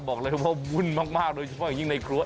บอกเลยว่าวุ่นมากโดยเฉพาะอย่างยิ่งในครัว